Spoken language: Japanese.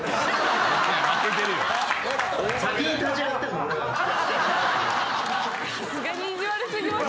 さすがに意地悪過ぎません？